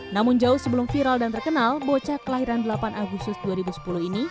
namun jauh sebelum viral dan terkenal bocah kelahiran delapan agustus dua ribu sepuluh ini